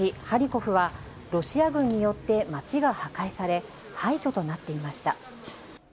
ハリコフはロシア軍によって街が破壊され、廃虚となっていました。